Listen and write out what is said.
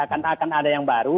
akan ada yang baru